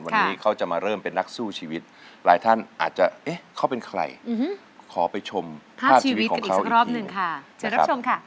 วันนี้เขาจะมาเริ่มเป็นนักสู้ชีวิตหลายท่านอาจจะเอ๊ะเขาเป็นใครขอไปชมภาพชีวิตของเขาอีกรอบหนึ่งค่ะ